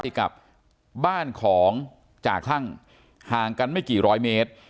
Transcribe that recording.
กับบ้านของจ่าคลั่งห่างกันไม่กี่ร้อยเมตร